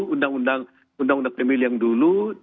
undang undang pemilu yang dulu